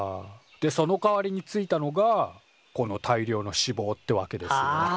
でそのかわりについたのがこの大量のしぼうってわけですよ。